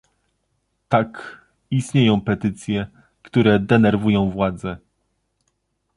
Tak, istnieją petycje, które denerwują władze